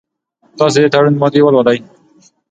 تاسي د دې تړون مادې ولولئ.